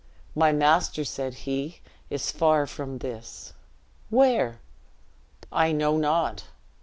"My master," said he, "is far from this." "Where?" "I know not."